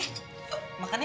yuk makan ya